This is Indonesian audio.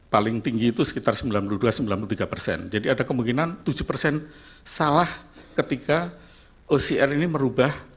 paling tinggi itu sekitar sembilan puluh dua sembilan puluh tiga persen jadi ada kemungkinan tujuh persen salah ketika ocr ini merubah